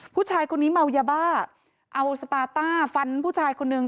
ผู้ชายคนนี้เมายาบ้าเอาสปาต้าฟันผู้ชายคนนึง